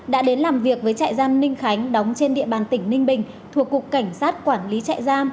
đã đến làm việc với trại giam ninh khánh đóng trên địa bàn tỉnh ninh bình thuộc cục cảnh sát quản lý trại giam